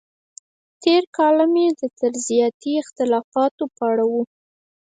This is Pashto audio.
تېر کالم یې د نظریاتي اختلافاتو په اړه و.